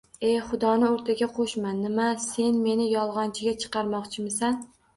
E, Xudoni oʻrtaga qoʻshma! Nima, sen meni yolgʻonchiga chiqarmoqchimisan?